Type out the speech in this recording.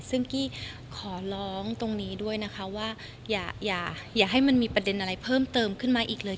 ซึ่งกี้ขอร้องตรงนี้ด้วยนะคะว่าอย่าให้มันมีประเด็นอะไรเพิ่มเติมขึ้นมาอีกเลย